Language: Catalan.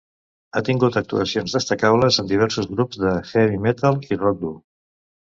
Ha tingut actuacions destacables en diversos grups de heavy metal i rock dur.